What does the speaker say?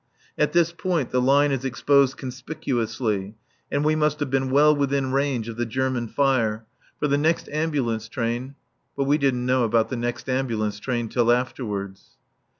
At this point the line is exposed conspicuously, and we must have been well within range of the German fire, for the next ambulance train but we didn't know about the next ambulance train till afterwards.